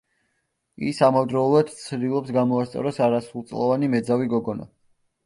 ის ამავდროულად ცდილობს, გამოასწოროს არასრულწლოვანი მეძავი გოგონა.